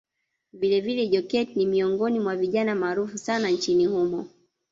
Vilevile Joketi ni miongoni mwa vijana maarufu sana nchini humo